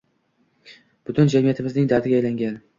Butun jamiyatimizning dardiga aylangan